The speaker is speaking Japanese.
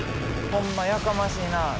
ほんまやかましいなぁ。